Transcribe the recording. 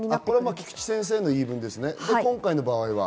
菊地先生の言い分ですね。